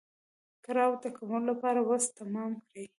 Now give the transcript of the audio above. کړاو د کمولو لپاره وس تمام کړي.